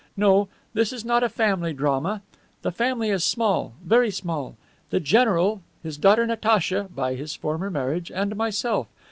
No, this is not a family drama. The family is small, very small: the general, his daughter Natacha (by his former marriage), and myself.